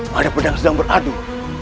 ada pedang sedang beradu